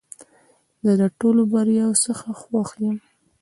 زه د ټولو بریاوو څخه خوښ یم .